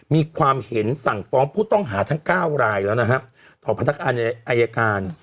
มีความเห็นสั่งฟ้องผู้ต้องหาทั้ง๙รายแล้วนะครับต่อพนักงานอายการ